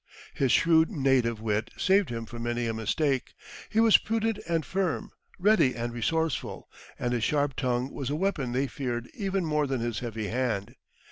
His shrewd native wit saved him from many a mistake. He was prudent and firm, ready and resourceful, and his sharp tongue was a weapon they feared even more than his heavy hand.